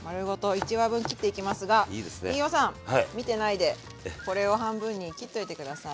１ワ分切っていきますが飯尾さん見てないでこれを半分に切っといて下さい。